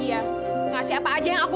ingat saya tahu